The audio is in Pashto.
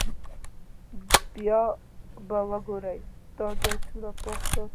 بیا به وګورئ دا ځای څومره پاک ساتي.